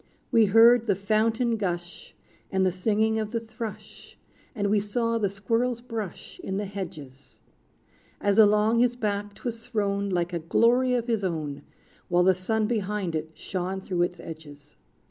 We heard the fountain gush, And the singing of the thrush; And we saw the squirrel's brush In the hedges, As along his back 't was thrown, Like a glory of his own. While the sun behind it, shone Through its edges.